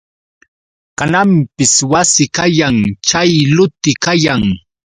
Kananpis wasi kayan chay luti kayan.